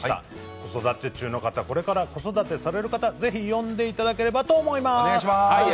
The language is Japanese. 子育て中の方、これから子育てされる方、ぜひ読んでいただければと思います。